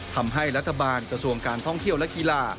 ทำให้รัฐบาลกระทรวงการท่องเที่ยวและกีฬา